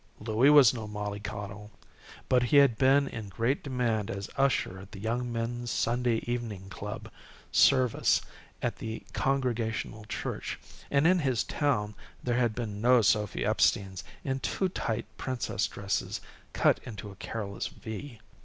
Louie was no mollycoddle. But he had been in great demand as usher at the Young Men's Sunday Evening Club service at the Congregational church, and in his town there had been no Sophy Epsteins in too tight princess dresses, cut into a careless V.